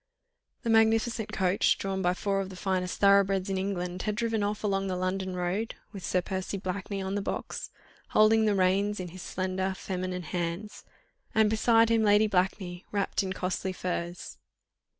The magnificent coach, drawn by four of the finest thoroughbreds in England, had driven off along the London road, with Sir Percy Blakeney on the box, holding the reins in his slender feminine hands, and beside him Lady Blakeney wrapped in costly furs.